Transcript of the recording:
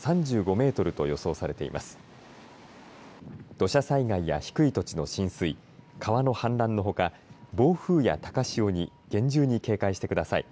土砂災害や低い土地の浸水川の氾濫のほか暴風や高潮に厳重に警戒してください。